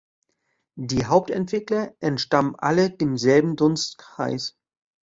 Die Hauptentwickler entstammen alle demselben Dunstkreis.